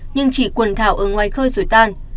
nhưng chỉ quần thảo ở ngoài khơi rồi tan